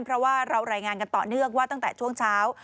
เพราะว่าเรารายงานกันต่อเนื่องว่าตั้งแต่ช่วงเช้า